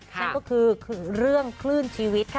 นั่นก็คือเรื่องคลื่นชีวิตค่ะ